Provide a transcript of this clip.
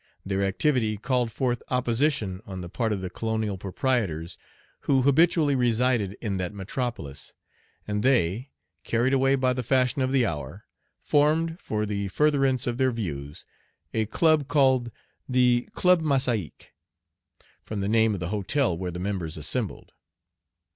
Their activity Page 43 called forth opposition on the part of the colonial proprietors who habitually resided in that metropolis; and they, carried away by the fashion of the hour, formed, for the furtherance of their views, a club called the Club Massaic, from the name of the hotel where the members assembled.